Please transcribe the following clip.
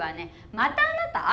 またあなた？